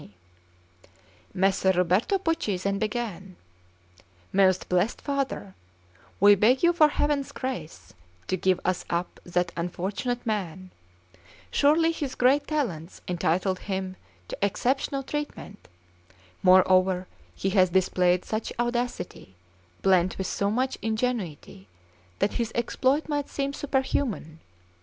Messer Ruberto Pucci then began: "Most blessed Father, we beg you for Heaven's grace to give us up that unfortunate man; surely his great talents entitle him to exceptional treatment; moreover, he has displayed such audacity, blent with so much ingenuity, that his exploit might seem superhuman.